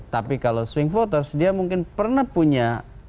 tapi kalau swing voters dia mungkin pernah punya